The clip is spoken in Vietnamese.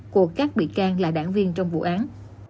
của các bị can là đảng viên trong vụ án